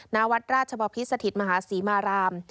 นาวัดราชปภิษฐ์สถิตมหาศรีมาราม